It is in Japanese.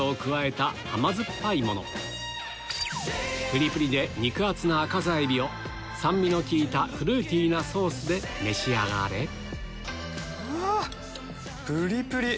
プリプリで肉厚なアカザエビを酸味の効いたフルーティーなソースで召し上がれうわプリプリ！